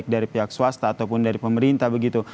dari pihak swasta ataupun dari pemerintah begitu